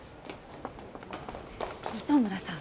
糸村さん